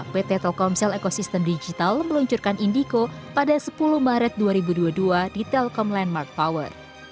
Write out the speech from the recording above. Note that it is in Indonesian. pt telkomsel ekosistem digital meluncurkan indico pada sepuluh maret dua ribu dua puluh dua di telkom landmark power